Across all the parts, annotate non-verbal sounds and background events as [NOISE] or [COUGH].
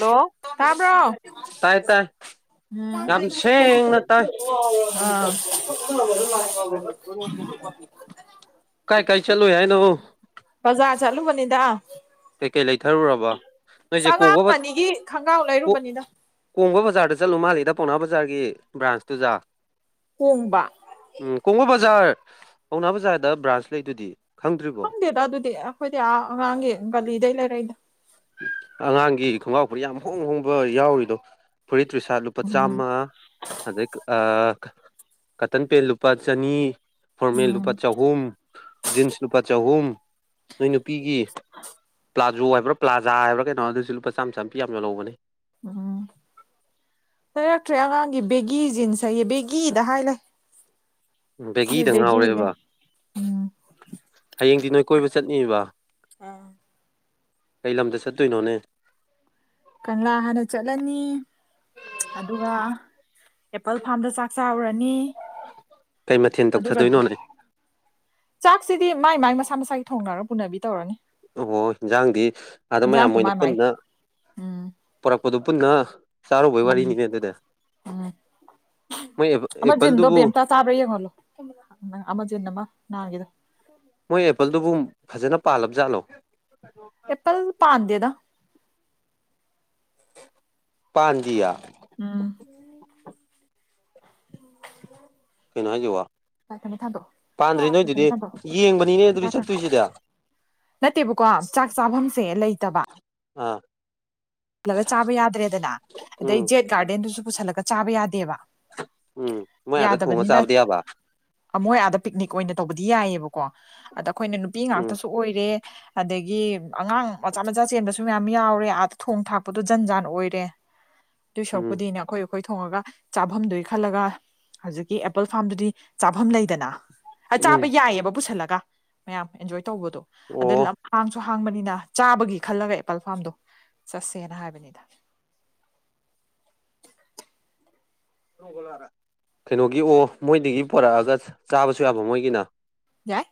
ꯂꯣ ꯇꯥꯕ꯭ꯔꯧ ꯇꯥꯏ ꯇꯥꯏ ꯌꯥꯝ ꯁꯦꯡꯅ ꯇꯥꯏ ꯑ ꯀꯥꯏ ꯀꯥꯏ ꯆꯠꯂꯨꯏ ꯍꯥꯏꯅꯣ ꯄꯖꯥꯔ ꯆꯂꯨꯕꯅꯤꯗ ꯀꯩꯀꯩ ꯂꯩꯊꯔꯨꯔꯕ ꯅꯣꯏꯖꯦ ꯀꯣꯡꯕ ꯑꯉꯥꯡ ꯕꯠ ꯑꯅꯤꯒꯤ ꯈꯣꯡꯒ꯭ꯔꯥꯎ ꯄꯣ ꯂꯩꯔꯨꯕꯅꯤꯗ ꯀꯣꯡꯕ ꯕꯖꯥꯔꯗ ꯆꯠꯂꯨ ꯃꯥꯜꯂꯤꯗ ꯄꯎꯅꯥ ꯕꯖꯥꯔꯒꯤ ꯕ꯭ꯔꯥꯟꯁꯇꯨꯖꯥ ꯀꯣꯡꯕ ꯎꯝ ꯀꯣꯡꯕ ꯕꯖꯥꯔ ꯄꯧꯅꯥ ꯕꯖꯥꯔꯗ ꯕ꯭ꯔꯥꯟꯁ ꯂꯩꯗꯨꯗꯤ ꯈꯪꯗ꯭ꯔꯤꯕꯣ ꯗꯦꯗ ꯑꯗꯨꯗꯤ ꯑꯈꯣꯏꯗꯤ ꯑꯥ ꯑꯉꯥꯡꯒꯤ ꯒꯥꯂꯤꯗꯩ ꯂꯩꯔꯛꯏꯗ ꯑꯉꯥꯡꯒꯤ ꯈꯣꯡꯒꯥꯎ ꯐꯨꯔꯤ ꯌꯥꯝ ꯍꯣꯡ ꯍꯣꯡꯕ ꯌꯥꯎꯔꯤꯗꯣ ꯐꯨꯔꯤꯠ ꯇ꯭ꯔꯤꯁꯥꯠ ꯂꯨꯄꯥ ꯎꯝ ꯆꯥꯝꯃ ꯑꯗꯩꯛ ꯑꯛ ꯀꯇꯟ ꯄꯦꯟ ꯂꯨꯄꯥ ꯆꯅꯤ ꯐꯣꯔꯃꯦꯜ ꯎꯝ ꯂꯨꯄꯥ ꯆꯍꯨꯝ ꯖꯤꯟꯁ ꯂꯨꯄꯥ ꯆꯍꯨꯝ ꯅꯣꯏ ꯅꯨꯄꯤꯒꯤ ꯄ꯭ꯂꯥꯖꯣ ꯍꯥꯏꯕ꯭ꯔꯞ ꯄ꯭ꯂꯥꯖ ꯍꯥꯏꯕ꯭ꯔ ꯀꯩꯅꯣ ꯑꯗꯨꯁꯨ ꯂꯨꯄꯥ ꯆꯥꯝ ꯆꯥꯝꯄꯤ ꯌꯥꯝ ꯌꯣꯜꯂꯧꯕꯅꯦ ꯍꯝꯍꯝ ꯂꯩꯔꯛꯇ꯭ꯔꯦ ꯑꯉꯥꯡꯒꯤ ꯕꯦꯒꯤ ꯖꯤꯟꯁ ꯍꯩꯌꯦ ꯕꯦꯒꯤꯗ ꯍꯥꯏ ꯂꯩ ꯑꯗꯨꯏ ꯕꯦꯒꯤꯗ ꯕꯦꯒꯤꯖꯦ ꯉꯥꯎꯔꯦꯕ ꯎꯝ ꯍꯌꯦꯡꯗꯤ ꯅꯣꯏ ꯀꯣꯏꯕ ꯆꯠꯅꯤꯕ ꯑꯥ ꯀꯩ ꯂꯝꯗ ꯆꯠꯇꯣꯏꯅꯣꯅꯦ ꯀꯪꯂꯥ ꯍꯥꯟꯅ ꯆꯠꯂꯅꯤ ꯑꯗꯨꯒ ꯑꯦꯄꯜ ꯐꯥꯝꯗ ꯆꯥꯛ ꯆꯥꯔꯨꯔꯅꯤ ꯀꯩ ꯃꯊꯦꯟ ꯑꯗꯨꯒ ꯇꯧꯊꯗꯣꯏꯅꯣꯅꯦ ꯆꯥꯛꯁꯤꯗꯤ ꯃꯥꯏ ꯃꯥꯏ ꯃꯁꯥ ꯃꯁꯥꯒꯤ ꯊꯣꯡꯅꯔ ꯄꯨꯅꯕꯤ ꯇꯧꯔꯅꯤ ꯑꯣ ꯏꯟꯖꯥꯡꯗꯤ ꯑꯥꯗ ꯃꯌꯥꯝ ꯏꯟꯖꯥꯡꯁꯨ ꯑꯣꯏꯅ ꯃꯥꯏ ꯃꯥꯏ ꯄꯨꯟꯅ ꯎꯝ ꯄꯨꯔꯛꯄꯗꯨ ꯄꯨꯟꯅ ꯆꯥꯔꯨꯕꯩ ꯎꯝ ꯋꯥꯔꯤꯅꯤꯅꯦ ꯑꯗꯨꯗ ꯎꯝ ꯃꯣꯏ ꯑꯃꯖꯤꯟꯗꯣ ꯑꯦꯄꯜꯗꯨꯕꯨ ꯕꯦꯝꯇꯥ ꯆꯥꯕ꯭ꯔꯥ ꯌꯦꯡꯍꯣꯜꯂꯣ ꯅꯪ ꯑꯃꯖꯖꯤꯟ ꯑꯃ ꯅꯍꯥꯟꯒꯤꯗꯣ ꯃꯣꯏ ꯑꯦꯄꯜꯗꯨꯕꯨ ꯐꯖꯅ ꯄꯥꯜꯂꯕ ꯖꯥꯠꯂꯣ ꯑꯦꯄꯜ ꯄꯥꯟꯗꯦꯗ ꯄꯥꯟꯗꯤꯌꯦ ꯎꯝ ꯀꯩꯅꯣ ꯍꯥꯏꯁꯤꯕꯣ ꯊꯝꯃꯦ ꯊꯥꯡꯗꯣꯛꯑꯣ ꯄꯥꯟꯗ꯭ꯔꯦ ꯅꯣꯏ ꯊꯝꯃꯦ ꯑꯗꯨꯗꯤ ꯌꯦꯡꯕꯅꯤꯅꯦ ꯑꯗꯨꯗꯤ ꯊꯥꯡꯗꯣꯛꯑꯣ ꯆꯠꯇꯣꯏꯁꯤꯗ ꯅꯠꯇꯦꯕꯀꯣ ꯆꯥꯛ ꯆꯥꯐꯝꯁꯦ ꯂꯩꯇꯕ ꯑꯥ ꯄꯨꯜꯂꯒ ꯆꯥꯕ ꯌꯥꯗ꯭ꯔꯦꯗꯅ ꯑꯗꯩ ꯎꯝ ꯖꯦꯠ ꯒꯥꯔꯗꯦꯟꯗꯨꯁꯨ ꯄꯨꯁꯤꯜꯂꯒ ꯆꯥꯕ ꯌꯥꯗꯦꯕ ꯎꯝ ꯃꯣꯏ ꯑꯥꯗ ꯊꯣꯡꯉ ꯌꯥꯗꯕꯅꯤꯅ ꯆꯥꯕꯗꯤ ꯌꯥꯕ ꯑꯃꯣꯏ ꯑꯥꯗ ꯄꯤꯛꯅꯤꯛ ꯑꯣꯏꯅ ꯇꯧꯕꯗꯤ ꯌꯥꯏꯌꯦꯕ ꯀꯣ ꯑꯗ ꯑꯩꯈꯣꯏꯅ ꯅꯨꯄꯤ ꯎꯝ ꯉꯥꯛꯇꯁꯨ ꯑꯣꯏꯔꯦ ꯑꯗꯒꯤ ꯑꯉꯥꯡ ꯃꯆꯥ ꯃꯆꯥ ꯆꯦꯟꯕꯁꯨ ꯃꯌꯥꯝ ꯌꯥꯎꯔꯦ ꯊꯣꯡ ꯊꯥꯛꯄꯗꯣ ꯖꯟ ꯖꯥꯟ ꯑꯣꯏꯔꯦ ꯑꯗꯨꯏ ꯎꯝ ꯁꯔꯨꯛꯄꯨꯗꯤꯅꯦ ꯑꯩꯈꯣꯏ ꯑꯩꯈꯣꯏ ꯊꯣꯡꯉꯒ ꯆꯥꯐꯝꯗꯨꯒꯤ ꯈꯜꯂꯒ ꯍꯧꯖꯤꯛꯀꯤ ꯑꯦꯄꯜ ꯐꯥꯔꯝꯗꯨꯗꯤ ꯆꯥꯐꯝ ꯂꯩꯗꯅ ꯎꯝ ꯆꯥꯕ ꯌꯥꯏꯌꯦꯕ ꯄꯨꯁꯜꯂꯒ ꯃꯌꯥꯝ ꯑꯦꯟꯖꯣꯏ ꯇꯧꯕꯗꯣ ꯑꯗ ꯑꯣ ꯂꯝ ꯍꯥꯡ ꯁꯨ ꯍꯥꯡꯕꯅꯤꯅ ꯆꯥꯕꯒꯤ ꯈꯜꯂꯒ ꯑꯦꯄꯜ ꯐꯥꯔꯝꯗꯣ ꯆꯠꯁꯦꯅ ꯍꯥꯏꯕꯅꯤꯗ ꯀꯩꯅꯣꯒꯤ ꯑꯣ ꯃꯣꯏꯗꯒꯤ ꯄꯨꯔꯛꯑꯒ ꯆꯥꯕꯁꯨ ꯌꯥꯕ ꯃꯣꯏꯒꯤꯅ ꯌꯥꯏ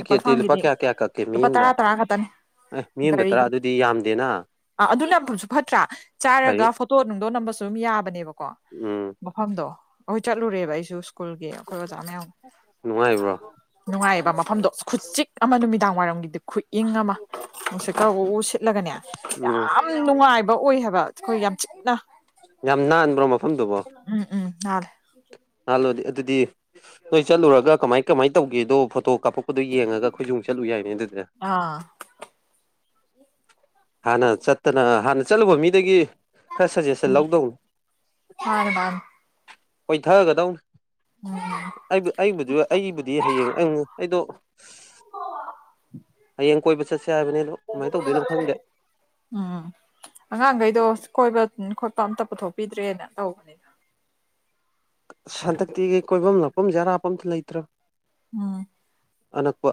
ꯑꯦꯄꯜ ꯂꯨꯄꯥ ꯐꯥꯒꯤꯗꯤ ꯀꯌꯥ ꯀꯌꯥ ꯀꯛꯀꯦ ꯃꯤ ꯂꯨꯄꯥ ꯑꯃꯗ ꯇꯔꯥ ꯇꯔꯥ ꯈꯛꯇꯅꯦ ꯑꯦ ꯃꯤ ꯑꯃꯗ ꯒꯥꯔꯤ ꯇꯔꯥ ꯑꯗꯨꯗꯤ ꯌꯥꯝꯗꯦꯅ ꯑ ꯑꯗꯨꯅꯁꯨ ꯐꯠꯇ꯭ꯔꯥ ꯆꯥꯔꯒ ꯐꯩ ꯏꯁꯇꯣꯠ ꯅꯨꯡꯗꯣꯠ ꯅꯝꯕꯁꯨ ꯑꯗꯨꯝ ꯌꯥꯕꯅꯦꯕꯀꯣ ꯎꯝ ꯃꯐꯝꯗꯣ ꯑꯩꯈꯣꯏ ꯆꯠꯂꯨꯔꯦꯕ ꯑꯩꯁꯨ ꯁ꯭ꯀꯨꯜꯒꯤ ꯑꯩꯈꯣꯏ ꯑꯣꯖꯥ ꯃꯌꯥꯝ ꯅꯨꯡꯉꯥꯏꯔꯤꯕ꯭ꯔꯣ ꯅꯨꯡꯉꯥꯏꯕ ꯃꯐꯝꯗꯣ ꯈꯨ ꯎꯆꯤꯛ ꯑꯃ ꯅꯨꯃꯤꯗꯥꯡ ꯋꯥꯏꯔꯝꯒꯤꯗꯤ ꯈꯨꯏꯪ ꯑꯃ ꯎꯁ ꯀꯥꯎꯕ ꯎ ꯁꯤꯠꯂꯒꯅꯦ ꯎꯝ ꯌꯥꯝ ꯅꯨꯡꯉꯥꯏꯕ ꯑꯣꯏꯌꯦꯕ ꯑꯩꯈꯣꯏ ꯌꯥꯝ ꯆꯤꯛꯅ ꯌꯥꯝ ꯅꯥꯟꯕ꯭ꯔꯣ ꯃꯐꯝꯗꯨꯕꯣ ꯎꯝ ꯎꯝ ꯅꯥꯜꯂꯦ ꯅꯍꯜꯂꯣꯗꯤ ꯑꯗꯨꯗꯤ ꯅꯣꯏ ꯆꯠꯂꯨꯔꯒ ꯀꯃꯥꯏ ꯀꯃꯥꯏꯅ ꯇꯧꯒꯦꯗꯣ ꯐꯣꯇꯣ ꯀꯥꯞꯄꯛ ꯑꯗꯨ ꯌꯦꯡꯉꯒ ꯑꯩꯈꯣꯏꯁꯨꯨꯡ ꯆꯠꯂꯨ ꯌꯥꯏꯅꯦ ꯑꯗꯨꯗꯤ ꯑꯥ ꯍꯥꯟꯅ ꯆꯠꯇꯅ ꯍꯥꯟꯅ ꯆꯠꯂꯨꯕ ꯃꯤꯗꯒꯤ ꯈꯔ ꯁꯖꯦꯁꯟ ꯂꯧꯗꯧꯅꯤ ꯃꯥꯅꯤ ꯃꯥꯅꯤ ꯊꯒꯗꯧꯅꯤ ꯑꯩꯕꯨ ꯑꯩꯕꯨꯗꯤ ꯑꯩꯕꯨꯗꯤ ꯍꯌꯦꯡ ꯑꯩ ꯑꯩꯗꯣ ꯍꯌꯦꯡ ꯀꯣꯏꯕ ꯆꯠꯁꯦ ꯍꯥꯏꯕꯅꯤꯅꯣ ꯀꯃꯥꯏꯅ ꯇꯧꯗꯣꯏꯅꯣ ꯈꯪꯗꯦ ꯎꯝ ꯑꯉꯥꯡꯈꯩꯗꯣ ꯀꯣꯏꯕ ꯈꯣꯠꯄ ꯑꯝꯇ ꯄꯨꯊꯣꯛꯄꯤꯗ꯭ꯔꯦꯅ ꯇꯧꯕꯅꯤꯅ ꯁꯟꯗꯛꯇꯤꯒꯤ ꯀꯣꯏꯐꯝ ꯂꯛꯐꯝꯁꯦ ꯑꯔꯥꯞꯄ ꯑꯝꯇ ꯂꯩꯇ꯭ꯔꯥ ꯎꯝ ꯑꯅꯛꯄ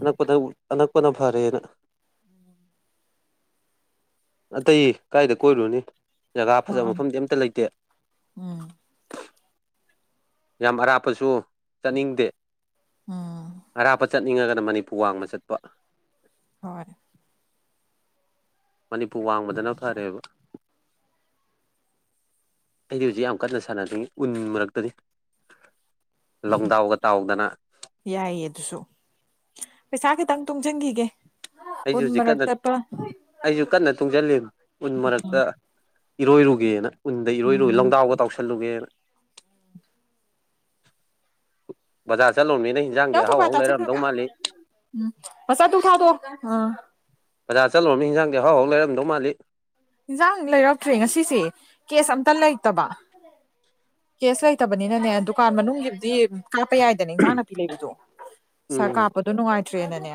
ꯑꯅꯛꯄꯗ ꯑꯅꯛꯄꯅ ꯐꯔꯦꯅ ꯑꯇꯩ ꯀꯥꯏꯗ ꯀꯣꯏꯔꯨꯅꯤ ꯖꯒꯥ ꯐꯖꯕ ꯃꯥꯅꯦ ꯃꯐꯝꯗꯤ ꯑꯝꯇ ꯂꯩꯇꯦ ꯎꯝ ꯌꯥꯝ ꯑꯔꯥꯞꯄꯁꯨ ꯆꯠꯅꯤꯡꯗꯦ ꯎꯝ ꯑꯔꯥꯞꯄ ꯆꯠꯅꯤꯡꯉꯒꯅ ꯃꯅꯤꯄꯨꯔ ꯋꯥꯡꯃ ꯆꯠꯄ ꯍꯣꯏ ꯃꯅꯤꯄꯨꯔ ꯋꯥꯡꯃꯗꯅ ꯐꯔꯦꯕ ꯑꯩꯗꯤ ꯍꯧꯖꯤꯛ ꯌꯥꯝ ꯀꯟꯅ ꯁꯥꯟꯅꯤꯡꯉꯤ ꯎꯟ ꯃꯔꯛꯇꯗꯤ ꯂꯣꯡꯗꯥꯎꯒ ꯇꯥꯎꯗꯅ ꯌꯥꯏꯌꯦ ꯑꯗꯨꯁꯨ ꯄꯩꯁꯥ ꯈꯤꯇꯪ ꯇꯨꯡꯁꯤꯟꯈꯤꯒꯦ ꯑꯩꯁꯨ ꯎꯟ ꯍꯧꯖꯤꯛ ꯃꯔꯛ ꯀꯟꯅ ꯆꯠꯄ ꯑꯩꯁꯨ ꯀꯟꯅ ꯇꯨꯡꯁꯤꯜꯂꯤ ꯎꯟ ꯃꯔꯛꯇ ꯏꯔꯣꯏꯔꯨꯒꯦꯅ ꯎꯟꯗ ꯏꯔꯣꯏꯔꯨꯏ ꯎꯝ ꯂꯣꯡꯗꯥꯎꯒ ꯇꯥꯎꯁꯜꯂꯨꯒꯦꯅ ꯕꯖꯔ ꯆꯠꯂꯨꯃꯤ ꯏꯟꯖꯥꯡꯗꯤ ꯑꯍꯥꯎ ꯑꯍꯧꯎ ꯂꯩꯔꯝꯗꯧ ꯃꯥꯜꯂꯤ ꯎꯝ ꯃꯆꯥ ꯙꯨꯛ ꯊꯥꯗꯣꯛ ꯑꯣ ꯕꯥꯔ ꯆꯠꯂꯨꯔꯃꯤ ꯍꯤꯡꯖꯥꯡꯗꯤ ꯑꯍꯧꯎ ꯂꯩꯔꯝꯗꯧ ꯃꯥꯜꯂꯤ ꯏꯟꯁꯥꯡ ꯂꯩꯔꯛꯇ꯭ꯔꯦ ꯉꯁꯤꯁꯦ ꯀꯦꯁ ꯑꯝꯇ ꯂꯩꯇꯕ ꯀꯦꯁ ꯂꯩꯇꯕꯅꯤꯅꯅꯦ ꯗꯨꯀꯥꯟ ꯃꯅꯨꯡꯒꯤꯗꯤ ꯀꯥꯞꯄ ꯌꯥꯏꯗꯅꯦ ꯏꯟꯁꯥꯡ ꯅꯥꯄꯤ ꯂꯩꯕꯗꯣ ꯄꯩꯁꯥ ꯎꯝ ꯀꯥꯞꯄꯗꯣ ꯅꯨꯡꯉꯥꯏꯇ꯭ꯔꯦꯅꯅꯦ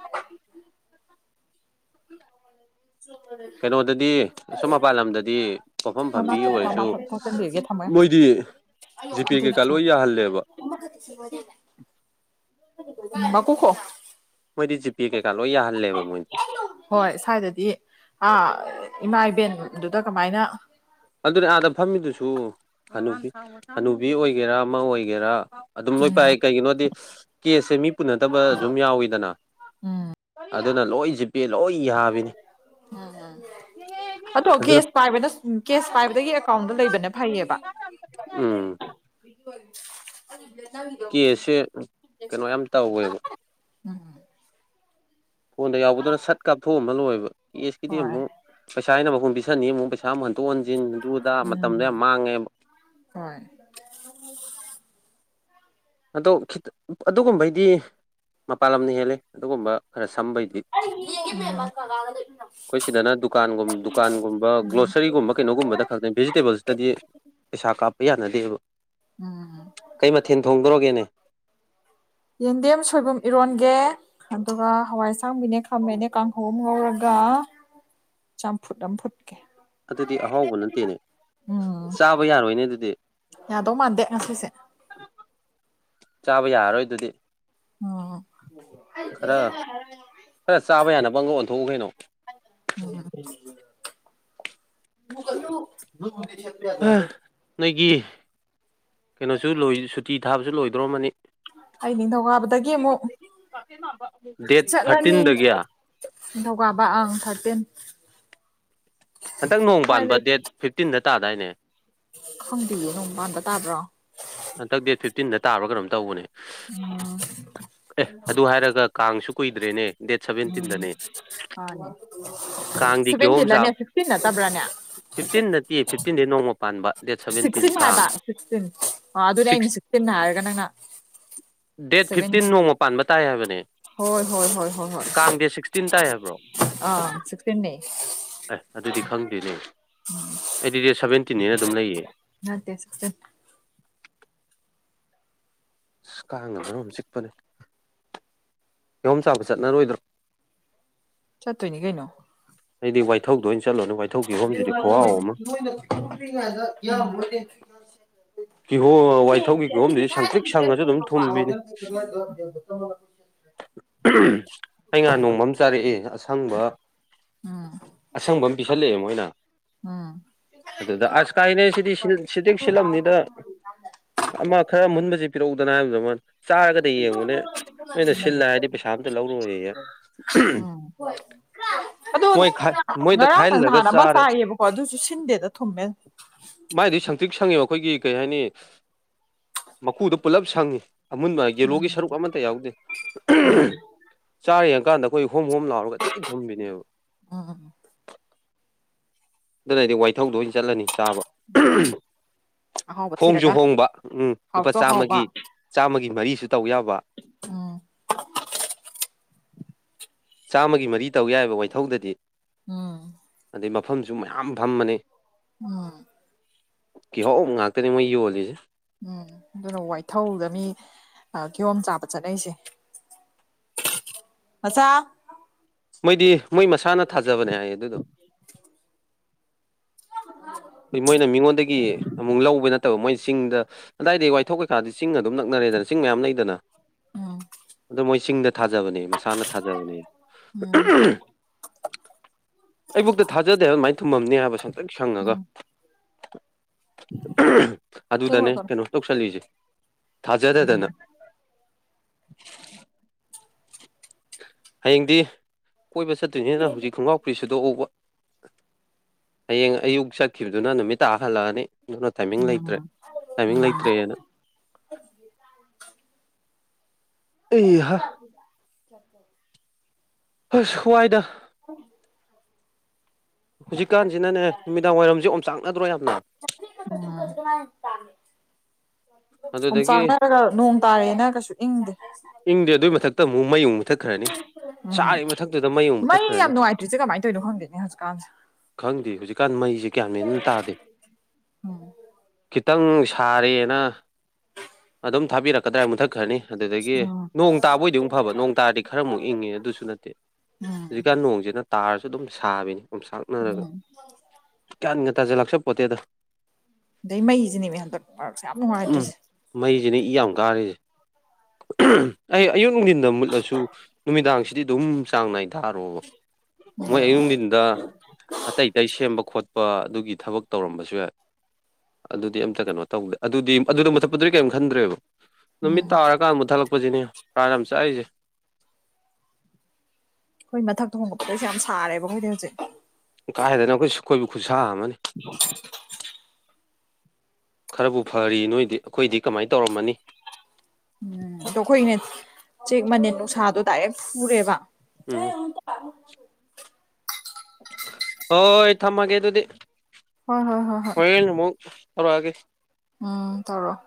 [INAUDIBLE] ꯀꯩꯅꯣꯗꯗꯤ ꯁꯨꯝ ꯃꯄꯥꯟ ꯂꯝꯗꯗꯤ ꯄꯣꯐꯝ ꯐꯝꯕꯤ ꯃꯥ ꯑꯣꯏꯔꯁꯨ ꯐꯣꯠꯆꯟꯕꯤꯔꯒꯦ ꯊꯝꯃꯒꯦ ꯃꯣꯏꯗꯤ ꯖꯤꯄꯦ ꯀꯩꯀꯥ ꯂꯣꯏ ꯌꯥꯍꯜꯂꯦꯕ ꯃꯀꯨ ꯈꯣꯛꯑꯣ ꯃꯣꯏꯗꯤ ꯖꯤꯄꯦ ꯀꯩꯀꯥ ꯂꯣꯏ ꯌꯥꯍꯜꯂꯦꯕ ꯃꯣꯏꯗꯤ ꯍꯣꯏ ꯁ꯭ꯋꯥꯏꯗꯗꯤ ꯏꯃꯥ ꯏꯕꯦꯟꯗꯨꯗ ꯀꯃꯥꯏꯅ ꯑꯗꯨꯅꯦ ꯑꯥꯗ ꯐꯝꯃꯤꯗꯨꯁꯨ ꯑꯅꯨꯕꯤ ꯑꯣꯏꯒꯦꯔꯥ ꯑꯃ ꯑꯣꯏꯒꯦꯔꯥ ꯑꯗꯨꯝ ꯂꯣꯏ ꯄꯥꯏ ꯀꯩꯒꯤꯅꯣꯗꯤ ꯀꯦꯁꯁꯦ ꯃꯤ ꯄꯨꯟꯅꯗꯕ ꯑꯗꯨꯝ ꯌꯥꯎꯋꯤꯗꯅ ꯑꯗꯨꯅ ꯂꯣꯏ ꯖꯤꯄꯦ ꯂꯣꯏ ꯌꯥꯕꯤꯅꯤ ꯎꯝ ꯎꯝ ꯑꯗꯣ ꯑꯗꯨꯅ ꯀꯦꯁ ꯄꯥꯏꯕꯅ ꯀꯦꯁ ꯄꯥꯏꯕꯗꯒꯤ ꯑꯦꯀꯥꯎꯟꯗ ꯂꯩꯕꯅꯦ ꯐꯩꯌꯦꯕꯥ ꯎꯝ ꯀꯦꯁꯁꯦ ꯀꯩꯅꯣ ꯌꯥꯝ ꯇꯧꯋꯦꯕ ꯎꯝ ꯐꯣꯟꯗ ꯌꯥꯎꯕꯗꯨꯅ ꯁꯠ ꯀꯥꯞꯊꯣꯛꯑꯝꯃ ꯂꯣꯏꯕ ꯀꯦꯁꯀꯤꯗꯤ ꯍꯣꯏ ꯑꯃꯨꯛ ꯄꯩꯁ ꯑꯩꯅꯥ ꯃꯄꯨꯝ ꯄꯤꯁꯟꯅꯤ ꯑꯃꯨꯛ ꯄꯩꯁꯥ ꯑꯃꯨꯛ ꯍꯟꯇꯣꯛ ꯍꯟꯖꯤꯟꯗꯨꯗ ꯃꯇꯝꯗꯣ ꯌꯥꯝ ꯃꯥꯡꯉꯦꯕ ꯍꯣꯏ ꯑꯗꯣ ꯈꯤ ꯑꯗꯨꯒꯨꯝꯕꯩꯗꯤ ꯃꯄꯥꯟ ꯂꯝꯅ ꯍꯦꯜꯂꯦ ꯑꯗꯨꯒꯨꯝꯕ ꯈꯔ ꯁꯝꯕꯩꯗꯤ ꯑꯩꯈꯣꯏ ꯁꯤꯗꯅ ꯗꯨꯀꯥꯟꯒꯨꯝ ꯗꯨꯀꯥꯟꯒꯨꯝꯕ ꯒ꯭ꯔꯣꯁꯔꯤꯒꯨꯝꯕ ꯀꯩꯅꯣꯒꯨꯝꯕꯗ ꯈꯛꯇ ꯚꯦꯖꯤꯇꯦꯕꯜꯁꯤꯗꯗꯤ ꯄꯩꯁꯥ ꯀꯥꯞꯄ ꯌꯥꯅꯗꯦꯕ ꯎꯝ ꯀꯩ ꯃꯊꯦꯜ ꯊꯣꯡꯗꯣꯔꯒꯦꯅꯦ ꯌꯦꯟꯗꯦꯝ ꯁꯣꯏꯕꯨꯝ ꯏꯔꯣꯟꯒꯦ ꯑꯗꯨꯒ ꯍꯋꯥꯏ ꯑꯁꯥꯡꯕꯤꯅꯦ ꯈꯃꯦꯟꯅꯦ ꯀꯥꯡꯍꯧ ꯑꯃ ꯉꯧꯔꯒꯥ ꯆꯝꯐꯨꯠ ꯑꯝꯐꯨꯠꯀꯦ ꯑꯗꯨꯗꯤ ꯑꯍꯥꯎꯕ ꯅꯠꯇꯦꯅꯦ ꯆꯥꯕ ꯌꯥꯔꯣꯏꯅꯦ ꯑꯗꯨꯗꯤ ꯌꯥꯗꯣ ꯃꯥꯥꯟꯗꯦ ꯉꯁꯤꯁꯦ ꯆꯥꯕ ꯌꯥꯔꯔꯣꯏ ꯑꯗꯨꯗꯤ ꯎꯝ ꯈꯔ ꯈꯔ ꯆꯥꯕ ꯌꯥꯅꯕ ꯑꯝꯒ ꯑꯣꯟꯊꯣꯛꯎ ꯀꯩꯅꯣ [UNINTELLIGIBLE] [INAUDIBLE] ꯅꯣꯏꯒꯤ ꯀꯩꯅꯣꯁꯨ ꯂꯣꯏ ꯁꯨꯇꯤ ꯊꯥꯕꯁꯨ ꯂꯣꯏꯗꯧꯔꯝꯃꯅꯤ ꯑꯩ ꯅꯤꯡꯊꯧꯀꯥꯕꯗꯒꯤ ꯑꯃꯨꯛ ꯗꯦꯠ ꯆꯠꯂꯅꯤ ꯊꯥꯔꯇꯤꯟꯗꯒꯤ ꯅꯤꯡꯊꯧꯀꯥꯕ ꯑꯪ ꯊꯥꯔꯇꯤꯟ ꯍꯟꯇꯛ ꯅꯣꯡ ꯁ꯭ꯋꯥꯏ ꯄꯥꯟꯕ ꯗꯦꯠ ꯐꯤꯞꯇꯤꯟꯗ ꯇꯥꯗꯥꯏꯅꯦ ꯈꯪꯕꯤꯌꯦ ꯅꯣꯡ ꯃꯥꯟꯕ ꯇꯥꯕ꯭ꯔꯣ ꯍꯟꯗꯛ ꯗꯦꯠ ꯐꯤꯞꯇꯤꯟꯗ ꯇꯥꯕ꯭ꯔ ꯀꯣꯝ ꯇꯧꯕꯅꯦ ꯎꯝ ꯑꯦ ꯑꯗꯨ ꯍꯥꯏꯔꯒ ꯀꯥꯡꯁꯨ ꯀꯨꯏꯗ꯭ꯔꯦꯅꯦ ꯗꯦꯠ ꯎꯝ ꯁꯚꯦꯟꯇꯤꯟꯗꯅꯦ ꯍꯅꯦ ꯀꯥꯡꯗꯤ ꯁꯚꯦꯟꯇꯤꯤꯟꯅꯦ ꯁꯤꯛꯁꯇꯤꯟ ꯅꯠꯇꯕ꯭ꯔꯥꯅꯦ ꯐꯤꯞꯇꯤꯟ ꯅꯠꯇꯤꯌꯦ ꯐꯤꯞꯇꯤꯟꯗꯤ ꯅꯣꯡꯃ ꯄꯥꯟꯕ ꯗꯦꯠ ꯁꯚꯦꯟꯇꯤꯟ ꯁꯤꯛꯁꯇꯤꯟ ꯀꯥꯡ ꯍꯥꯏꯕ ꯁꯤꯛꯁꯇꯤꯟ ꯑꯗꯨꯅꯦ ꯑꯩꯅ ꯁꯤꯛꯁ ꯁꯤꯛꯁꯇꯤꯟ ꯍꯥꯏꯔꯒ ꯅꯪꯅ ꯗꯦꯠ ꯐꯤꯞꯇꯤꯟ ꯁꯚꯦꯟꯇꯤꯟ ꯅꯣꯡꯃ ꯄꯥꯟꯕ ꯇꯥꯏ ꯍꯥꯏꯕꯅꯦ ꯍꯣꯏ ꯍꯣꯏ ꯍꯣꯏ ꯍꯣꯏ ꯍꯣꯏ ꯀꯥꯡ ꯗꯦꯠ ꯁꯤꯛꯁꯇꯤꯟ ꯇꯥꯏ ꯍꯥꯏꯕ꯭ꯔꯣ ꯑꯥ ꯁꯤꯛꯁꯇꯤꯟꯅꯦ ꯑꯥꯏ ꯑꯗꯨꯗꯤ ꯈꯪꯗꯦꯅꯦ ꯑꯩꯗꯤ ꯗꯦꯠ ꯁꯕꯦꯟꯇꯤꯟꯅꯦꯅ ꯑꯗꯨꯝ ꯂꯩꯌꯦ ꯅꯠꯇꯦ ꯁꯤꯛꯁꯇꯤꯟ ꯑꯁ ꯀꯥꯡꯅ ꯃꯔꯣꯟꯑꯝ ꯆꯤꯛꯄꯅꯦ ꯀꯤꯍꯣꯝ ꯆꯥꯕ ꯆꯠꯅꯔꯣꯏꯗ꯭ꯔꯣ ꯆꯠꯇꯣꯏꯅꯤ ꯀꯩꯅꯣ ꯑꯩꯗꯤ ꯋꯥꯏꯊꯧꯗ ꯑꯣꯏꯅ ꯆꯠꯂꯨꯅꯤ ꯋꯥꯏꯊꯧ ꯎꯝ ꯒꯤꯍꯣꯝꯗꯨꯗꯤ ꯈꯨꯍꯥꯎ ꯑꯃ [UNINTELLIGIBLE] [INAUDIBLE] ꯀꯤꯍꯣꯝ ꯊꯨꯝꯕꯤꯅꯤ [UNINTELLIGIBLE] ꯑꯩ ꯉꯥꯍꯥꯟ ꯅꯣꯡꯃ ꯑꯃ ꯆꯥꯔꯛꯑꯦ ꯑꯁꯪꯕ ꯑꯁꯪꯕ ꯑꯃ ꯄꯤꯁꯜꯂꯛꯑꯦ ꯃꯣꯏꯅ ꯎꯝ ꯑꯗꯨꯗ ꯑꯁ ꯀꯥꯏꯗꯩ ꯁꯤꯗꯤ ꯁꯤꯜ ꯁꯤꯟꯗꯤꯡ ꯁꯤꯜꯂꯝꯅꯤꯗ ꯑꯃ ꯈꯔ ꯑꯃꯨꯟꯕꯖꯤ ꯄꯤꯔꯛꯎꯗꯅ ꯍꯥꯏꯕꯗꯨꯗ ꯃꯣꯏꯅ ꯆꯥꯔꯒꯗꯤ ꯌꯦꯡꯉꯨꯅꯦ ꯅꯣꯏꯅ ꯁꯤꯜꯂꯦ ꯍꯥꯏꯔꯗꯤ ꯄꯩꯁꯥ ꯑꯝꯇ ꯂꯧꯔꯣꯏꯑꯌꯦ ꯎꯝ ꯑꯗꯣ ꯃꯣꯏꯗ ꯉꯔꯥꯡ ꯂ ꯈꯥꯏꯍꯜꯂꯒ ꯅꯍꯥꯟ ꯂ ꯑꯃ ꯆꯥꯔꯦ ꯆꯥꯏꯌꯦꯕꯀꯣ ꯑꯗꯨꯁꯨ ꯁꯤꯟꯗꯦꯗ ꯊꯨꯝꯃꯦ ꯃꯥꯏꯗꯤ ꯁꯪꯇ꯭ꯔꯤꯛ ꯁꯪꯉꯦꯕ ꯑꯩꯈꯣꯏꯒꯤ ꯀꯩ ꯍꯥꯏꯅꯤ ꯃꯀꯨꯗꯨ ꯄꯨꯜꯂꯞ ꯁꯪꯉꯤ ꯑꯃꯨꯟꯕ ꯌꯦꯂꯣꯒꯤ ꯁꯔꯨꯛ ꯑꯃꯠꯇ ꯌꯥꯎꯗꯦ ꯆꯥꯔ ꯌꯦꯡꯉꯀꯥꯟꯗ ꯑꯩꯈꯣꯏ ꯍꯣꯝ ꯍꯣꯝ ꯂꯥꯎꯔꯒ ꯊꯤ ꯊꯨꯝꯕꯤꯅꯦꯕ ꯎꯝ ꯑꯗꯨꯅ ꯑꯩꯗꯤ ꯋꯥꯏꯊꯧꯗ ꯑꯣꯏꯅ ꯆꯠꯂꯅꯤ ꯆꯥꯕ ꯑꯍꯥꯎꯕ ꯍꯣꯡꯖꯨ ꯊꯤꯔꯒ ꯍꯣꯡꯕ ꯎꯝ ꯂꯨꯄꯥ ꯍꯥꯎꯁꯨ ꯍꯥꯎꯕ ꯆꯥꯝꯃꯒꯤ ꯆꯥꯝꯃꯒꯤ ꯃꯔꯤꯁꯨ ꯇꯧ ꯌꯥꯕ ꯎꯝ ꯆꯥꯝꯃꯒꯤ ꯃꯔꯤ ꯇꯧ ꯌꯥꯏꯑꯦꯕ ꯋꯥꯏꯊꯧꯗꯗꯤ ꯎꯝ ꯑꯗꯩ ꯃꯐꯝꯁꯨ ꯃꯌꯥꯝ ꯐꯃꯅꯤ ꯎꯝ ꯀꯤꯍꯣꯝ ꯉꯥꯛꯇꯅꯤ ꯃꯣꯏ ꯌꯣꯜꯂꯤꯖꯦ ꯎꯝ ꯑꯗꯨꯅ ꯋꯥꯏꯊꯧꯗ ꯃꯤ ꯑ ꯀꯤꯌꯣꯝ ꯆꯥꯕ ꯆꯠꯅꯩꯁꯦ ꯃꯆꯥ ꯃꯣꯏꯗꯤ ꯃꯣꯏ ꯃꯁꯥꯅ ꯊꯥꯖꯕꯅꯦ ꯍꯥꯏꯌꯦ ꯑꯗꯨꯗꯣ [INAUDIBLE] ꯑꯩꯈꯣꯏ ꯃꯣꯏꯅ ꯃꯤꯉꯣꯟꯗꯒꯤ ꯑꯃꯨꯛ ꯂꯧꯕ ꯅꯠꯇꯕ ꯃꯣꯏꯅ ꯆꯤꯡꯗ ꯑꯗꯥꯏꯗꯤ ꯋꯥꯏꯊꯣꯛ ꯀꯩꯀꯥꯗꯤ ꯆꯤꯡ ꯑꯗꯨꯝ ꯅꯛꯅꯔꯦꯗꯅ ꯆꯤꯡ ꯃꯌꯥꯝ ꯂꯩꯗꯅ ꯎꯝ ꯑꯗꯣ ꯃꯣꯏ ꯆꯤꯡꯗ ꯊꯥꯖꯕꯅꯦ ꯃꯁꯥꯅ ꯊꯥꯖꯕꯅꯦ ꯎꯝ ꯑꯩꯕꯨꯛꯇ ꯊꯥꯖꯗꯦ ꯍꯥꯏꯕ ꯑꯗꯨꯃꯥꯏꯅ ꯊꯨꯝꯃꯝꯅꯤ ꯍꯥꯏꯕ ꯁꯟꯇ꯭ꯔꯤꯛ ꯁꯪꯉꯒ ꯎꯝ ꯑꯗꯨꯗꯅꯦ ꯊꯦꯡꯉꯨꯔꯛꯀꯅꯨ ꯀꯩꯅꯣ ꯇꯧꯁꯜꯂꯤꯁꯦ ꯎꯝ ꯊꯥꯖꯗꯗꯅ ꯍꯌꯦꯡꯗꯤ ꯀꯣꯏꯕ ꯆꯠꯇꯣꯏꯅꯤꯅ ꯍꯧꯖꯤꯛ ꯈꯣꯡꯒꯥꯎ ꯐꯨꯔꯤꯠ ꯁꯨꯗꯣꯛ ꯍꯧꯕ ꯍꯌꯦꯡ ꯑꯌꯨꯛ ꯆꯠꯈꯤꯕꯗꯨꯅ ꯅꯨꯃꯤꯠ ꯇꯥ ꯍꯜꯂꯛꯑꯅꯤ ꯑꯗꯨꯅ ꯇꯥꯏꯃꯤꯡ ꯂꯩꯇ꯭ꯔꯦ ꯎꯝ ꯎꯝ ꯇꯥꯏꯃꯤꯡ ꯂꯩꯇ꯭ꯔꯦꯅ ꯑꯩꯍꯥ [UNINTELLIGIBLE] ꯍꯁ ꯋꯥꯏꯗ ꯍꯨꯖꯤꯛꯀꯥꯟꯁꯤꯅꯅꯦ ꯅꯨꯃꯤꯗꯥꯡ ꯋꯥꯏꯔꯝꯖꯦ ꯑꯣꯝ ꯆꯥꯛꯅꯗ꯭ꯔꯣ ꯌꯥꯝꯅ ꯎꯝ [UNINTELLIGIBLE] ꯑꯗꯨꯗꯒꯤ ꯑꯣꯝꯆꯥꯛꯅꯔꯒꯥ ꯅꯣꯡ ꯇꯥꯌꯦꯅ ꯀꯩꯁꯨ ꯏꯪꯗꯦ ꯏꯪꯗꯦ ꯑꯗꯨꯏ ꯃꯊꯛꯇ ꯑꯃꯨꯛ ꯃꯩ ꯑꯃꯨꯛ ꯊꯠꯈ꯭ꯔꯅꯤ ꯎꯝ ꯁꯥꯔꯤꯕ ꯃꯊꯛꯇꯨꯗ ꯃꯩ ꯑꯃꯨꯛ ꯃꯨꯊꯠꯈ꯭ꯔꯅꯤ ꯌꯥꯝ ꯅꯨꯡꯉꯥꯏꯇ꯭ꯔꯤꯁꯦ ꯀꯃꯥꯏꯅ ꯇꯧꯔꯤꯅꯣ ꯈꯪꯗꯦꯅꯦ ꯍꯧꯖꯤꯛꯀꯥꯟꯁꯦ ꯈꯪꯗꯦ ꯍꯨꯖꯤꯛꯀꯥꯟ ꯃꯩꯖꯦ ꯒꯌꯥꯟ ꯃꯦꯟ ꯑꯝ ꯇꯥꯗꯦ ꯈꯤꯇꯪ ꯁꯥꯔꯦꯅ ꯑꯗꯨꯝ ꯊꯥꯕꯤꯔꯛꯀꯗ꯭ꯔꯥ ꯃꯨꯊꯠ ꯈ꯭ꯔꯅꯤ ꯑꯗꯨꯗꯒꯤ ꯎꯝ ꯅꯣꯡ ꯇꯥꯕꯣꯏꯗꯤ ꯑꯃꯨꯛ ꯐꯕ ꯅꯣꯡ ꯇꯥꯔꯗꯤ ꯈꯔꯃꯨꯛ ꯏꯪꯉꯦ ꯑꯗꯨꯁꯨ ꯅꯠꯇꯦ ꯍꯧꯖꯤꯛꯀꯥꯟ ꯅꯣꯡꯖꯤꯅ ꯇꯥꯔꯁꯨ ꯑꯗꯨꯝ ꯁꯥꯕꯤꯅꯤ ꯑꯣꯝꯁꯥꯛꯅꯔꯒ ꯎꯝ ꯒ꯭ꯌꯥꯟꯒ ꯇꯖꯥ ꯂꯥꯛꯆꯄꯣꯠꯇꯦꯗꯥ ꯑꯗꯩ ꯃꯩꯖꯤꯅꯦꯃꯦ ꯍꯟꯗꯛ ꯃꯔꯛꯁꯦ ꯌꯥꯝ ꯅꯨꯡꯉꯥꯏꯇ꯭ꯔꯤꯁꯦ ꯃꯩꯖꯤꯅꯤ ꯏ ꯌꯥꯝ ꯀꯥꯔꯤꯁꯦ [UNINTELLIGIBLE] ꯑꯩ ꯑꯌꯨꯛ ꯅꯨꯡꯊꯤꯟꯗ ꯃꯨꯠꯂꯁꯨ ꯅꯨꯃꯤꯗꯥꯡꯁꯤꯗꯤ ꯑꯗꯨꯝ ꯆꯥꯡ ꯅꯥꯏ ꯊꯥꯔꯣꯕ ꯃꯣꯏ ꯑꯌꯨꯛ ꯅꯨꯡꯗꯤꯟꯗ ꯑꯇꯩ ꯑꯇꯩ ꯁꯦꯝꯕ ꯈꯣꯠꯄ ꯑꯗꯨꯒꯤ ꯊꯕꯛ ꯇꯧꯔꯝꯕꯁꯨ ꯌꯥꯏ ꯑꯗꯨꯗꯤ ꯑꯝꯇ ꯀꯩꯅꯣ ꯇꯧꯗꯦ ꯑꯗꯨꯗꯤ ꯑꯗꯨꯗ ꯃꯨꯊꯠꯄꯗꯨꯗꯤ ꯀꯔꯤꯝ ꯈꯟꯗ꯭ꯔꯦꯕ ꯅꯨꯃꯤꯠ ꯇꯥꯔꯀꯥꯟ ꯃꯨꯠꯊꯠꯂꯛꯄꯖꯤꯅꯦ ꯄꯔꯥꯟ ꯌꯥꯝ ꯆꯥꯛꯏꯖꯦ ꯑꯩꯈꯣꯏ ꯃꯊꯛ ꯊꯣꯡꯕꯄꯗꯩꯁꯦ ꯌꯥꯝ ꯁꯥꯔꯦꯕ ꯑꯩꯈꯣꯏꯗꯤ ꯍꯧꯖꯤꯛ ꯀꯥꯏꯗꯩꯅꯣ ꯎꯁ ꯑꯩꯈꯣꯏꯐꯧ ꯈꯨꯠꯁꯥ ꯑꯃꯅꯤ [UNINTELLIGIBLE] ꯈꯔꯕꯨ ꯐꯔꯤ ꯅꯣꯏꯗꯤ ꯑꯩꯈꯣꯏꯗꯤ ꯀꯃꯥꯏ ꯇꯧꯔꯝꯃꯅꯤ ꯎꯝ ꯑꯗꯣ ꯑꯩꯈꯣꯏꯅꯥ ꯆꯦꯛ ꯃꯅꯤꯟ ꯅꯨꯡꯁꯥꯗꯣ ꯗꯥꯏꯔꯦꯛ ꯐꯨꯔꯦꯕ [UNINTELLIGIBLE] ꯎꯝ [UNINTELLIGIBLE] ꯍꯣꯏ ꯊꯝꯃꯒꯦ ꯑꯗꯨꯗꯤ ꯍꯣꯏ ꯍꯣꯏ ꯍꯣꯏ ꯍꯣꯏ ꯍꯣꯔꯦꯟ ꯑꯃꯨꯛ ꯇꯧꯔꯛꯑꯒꯦ ꯎꯝ ꯇꯧꯔꯣ